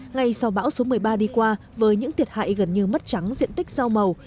ngay sau bão số một mươi ba đi qua với những thiệt hại gần như mất trắng diện tích rau màu